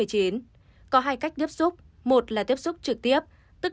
có hai cách tiếp xúc một là tiếp xúc trực tiếp tức